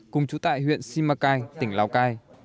cùng chủ tại huyện simacai tỉnh lào cai